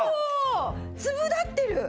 粒立ってる！